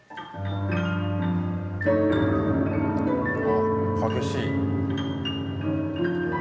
あ激しい。